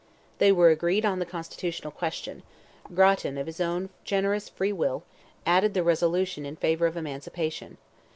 They were agreed on the constitutional question; Grattan, of his own generous free will, added the resolution in favour of emancipation.